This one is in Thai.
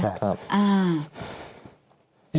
ใช่ครับ